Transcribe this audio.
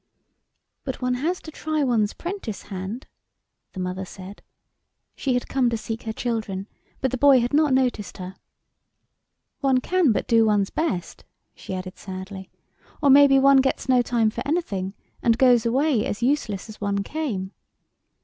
"But one has to try one's 'prentice hand," the mother said. She had come to seek her children, but the boy had not noticed her. " One can but do one's best," she added sadly, " or maybe one gets no time for anything, and goes away as useless as one came."